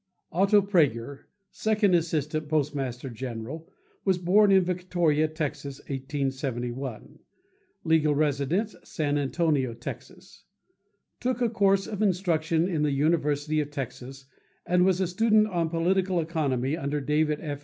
Otto Praeger, Second Assistant Postmaster General, was born in Victoria, Tex., 1871. Legal residence, San Antonio, Tex. Took a course of instruction in the University of Texas and was a student on political economy under David F.